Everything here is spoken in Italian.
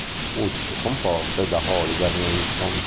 Musiche composte da Oliver Nelson.